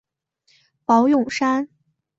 宝永山。